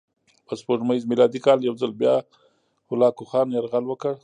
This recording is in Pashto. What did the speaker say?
په سپوږمیز میلادي کال یو ځل بیا هولاکوخان یرغل وکړ.